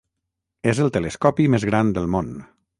És el telescopi més gran del món.